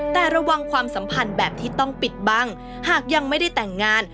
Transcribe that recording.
แต่ระวังความสัมพันธ์แบบที่ต้องปิดบังหากยังไม่ได้แต่งงาน